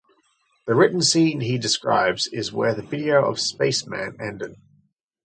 The written scene he describes is where the video of "Spaceman" ended.